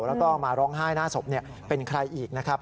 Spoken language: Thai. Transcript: แล้วก็มาร้องไห้หน้าศพเป็นใครอีกนะครับ